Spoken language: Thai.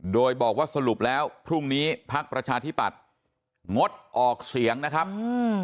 โดยบอกว่าสรุปแล้วพรุ่งนี้พักประชาธิปัตย์งดออกเสียงนะครับอืม